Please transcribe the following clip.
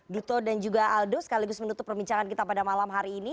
duto dan juga aldo sekaligus menutup perbincangan kita pada malam hari ini